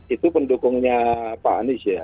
itu pendukungnya pak anies ya